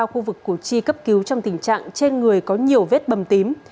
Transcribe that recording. khu vực cổ chi cấp cứu trong tình trạng trên người có nhiều vết bầm tím